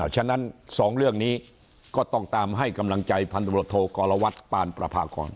ฉะนั้นสองเรื่องนี้ก็ต้องตามให้กำลังใจพันธบทกปานประภาคอน